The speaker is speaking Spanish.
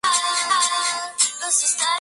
Se han descrito diferentes efectos secundarios.